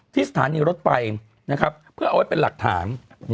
ที่สถานีรถไปนะครับเพื่อเอาไว้เป็นหลักถาม